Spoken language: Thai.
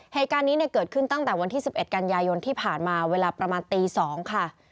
เหตุการณ์นี้เนี่ยเกิดขึ้นตั้งแต่วันที่๑๑กันยายนที่ผ่านมาเวลาประมาณตี๒ค่ะ